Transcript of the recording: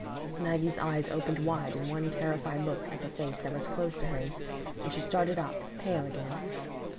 Maggie's eyes opened wide in one terrified look at the face that was close to hers, and she started up, pale again.